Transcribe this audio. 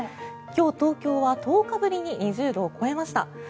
今日、東京は１０日ぶりに２０度を超えました。